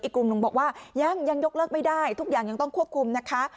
กลุ่มหนึ่งบอกว่ายังยกเลิกไม่ได้ทุกอย่างยังต้องควบคุมนะคะ